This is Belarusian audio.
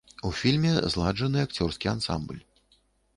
У фільме зладжаны акцёрскі ансамбль.